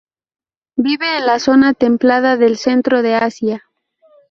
Vive en la zona templada del centro de Asia.